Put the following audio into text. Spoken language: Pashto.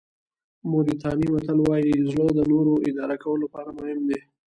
موریتاني متل وایي زړه د نورو اداره کولو لپاره مهم دی.